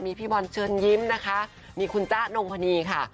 มีพี่บอลเชิญยิ้มนะคะมีคุณจ๊ะนงพนีค่ะ